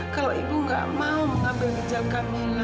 kalau ibu nggak mau mengambil ginjal camilla